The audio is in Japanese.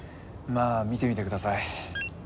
まあ見てみてください。